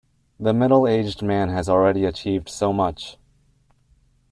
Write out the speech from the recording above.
The middle-aged man had already achieved so much.